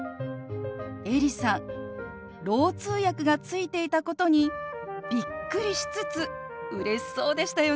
エリさんろう通訳がついていたことにびっくりしつつうれしそうでしたよね。